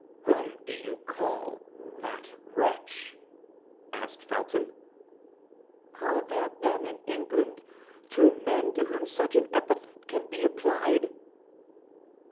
"Whom do you call that wretch?" asked Felton. "Are there, then, in England two men to whom such an epithet can be applied?"